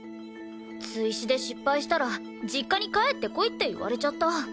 追試で失敗したら実家に帰ってこいって言われちゃった。